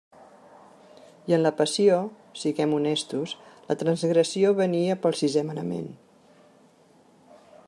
I en la passió, siguem honestos, la transgressió venia pel sisé manament.